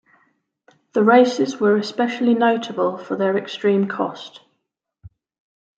The races were especially notable for their extreme cost.